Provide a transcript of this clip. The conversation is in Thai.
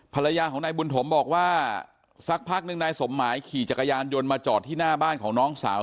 ภรรยาของนายบุญถมบอกว่าสักพักหนึ่งนายสมหมายขี่จักรยานยนต์มาจอดที่หน้าบ้านของน้องสาว